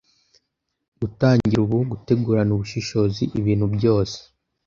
gutangira ubu gutegurana ubushishozi ibintu byose